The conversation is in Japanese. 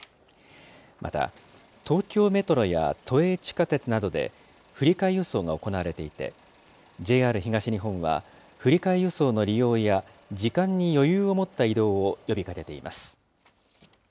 また、東京メトロや都営地下鉄などで、振り替え輸送が行われていて、ＪＲ東日本は、振り替え輸送の利用や、時間に余裕を持った移動を呼びかけています。